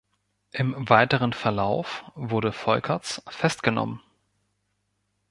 Im weiteren Verlauf wurde Folkerts festgenommen.